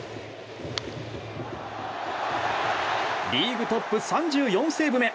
リーグトップ３４セーブ目。